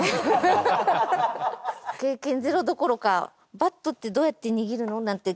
経験ゼロどころかバットってどうやって握るの？なんて